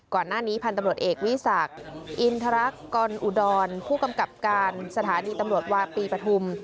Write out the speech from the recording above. พันธุ์ตำรวจเอกวิสักอินทรอุดรผู้กำกับการสถานีตำรวจวาปีปฐุม